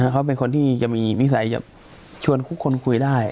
เขาเป็นคนที่จะมีนิสัยจะชวนทุกคนคุยได้